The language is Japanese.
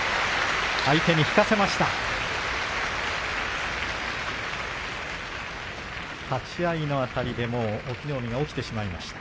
相手に引かせました。